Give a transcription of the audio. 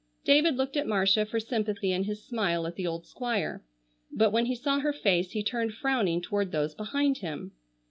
David looked at Marcia for sympathy in his smile at the old Squire, but when he saw her face he turned frowning toward those behind him.